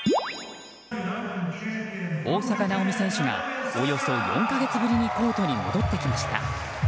大坂なおみ選手がおよそ４か月ぶりにコートに戻ってきました。